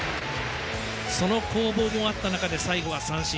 その攻防もあった中で最後は三振。